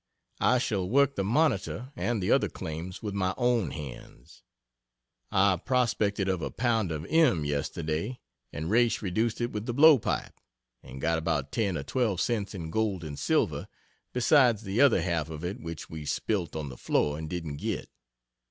I shall work the "Monitor" and the other claims with my own hands. I prospected of a pound of "M," yesterday, and Raish reduced it with the blow pipe, and got about ten or twelve cents in gold and silver, besides the other half of it which we spilt on the floor and didn't get.